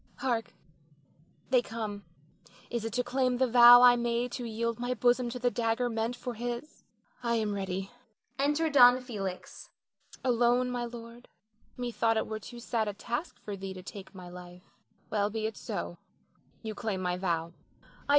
Hark they come. Is it to claim the vow I made to yield my bosom to the dagger meant for his? I am ready. [Enter Don Felix.] Alone, my lord; methought it were too sad a task for thee to take my life. Well, be it so; you claim my vow.